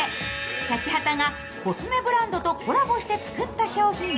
シャチハタがコスメブランドとコラボしてつくった商品。